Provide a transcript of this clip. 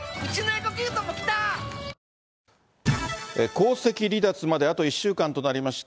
皇籍離脱まであと１週間となりました